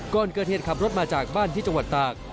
ก่อนเกิดเหตุขับรถมาจากบ้านที่จังหวัดตาก